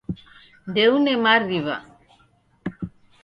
Ndeune mariwa